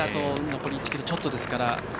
残り１ｋｍちょっとですから。